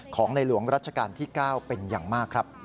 ของในหลวงรัชกาลที่๙เป็นอย่างมากครับ